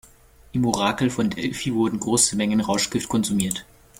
Im Orakel von Delphi wurden große Mengen Rauschgift konsumiert.